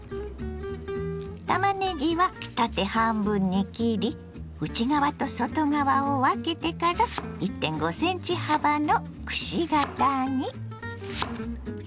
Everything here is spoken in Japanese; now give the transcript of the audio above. たまねぎは縦半分に切り内側と外側を分けてから１．５ｃｍ幅のくし形に。